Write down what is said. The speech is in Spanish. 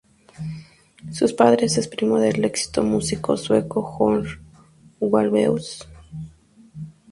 Su padre es primo del exitoso músico sueco Björn Ulvaeus.